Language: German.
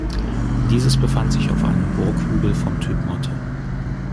Dieses befand sich auf einem Burghügel vom Typ Motte.